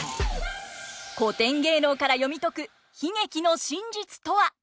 古典芸能から読み解く悲劇の真実とは。